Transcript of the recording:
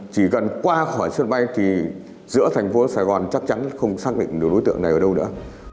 chỉ cần qua khỏi sân bay thì giữa thành phố sài gòn chắc chắn không xác định được đối tượng này ở đâu nữa